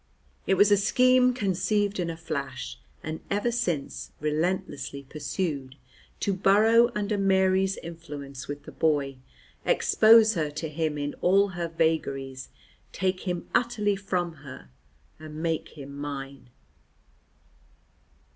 It was a scheme conceived in a flash, and ever since relentlessly pursued, to burrow under Mary's influence with the boy, expose her to him in all her vagaries, take him utterly from her and make him mine.